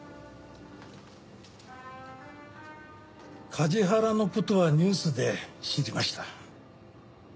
梶原の事はニュースで知りました。